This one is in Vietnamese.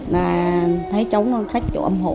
là thấy cháu nó rách chỗ âm hộ